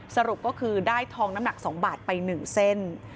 สรุปก็คือได้ทองน้ำหนัก๒บาทไป๑เส้น